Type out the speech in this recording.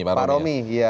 pak romi ya